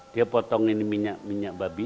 dia potong ini minyak minyak babi